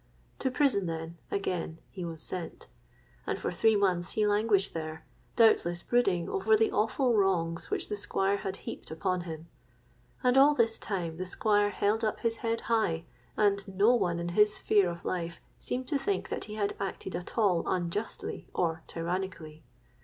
To prison, then, again he was sent; and for three months he languished there, doubtless brooding over the awful wrongs which the Squire had heaped upon him. And all this time the Squire held up his head high; and no one in his own sphere of life seemed to think that he had acted at all unjustly or tyrannically.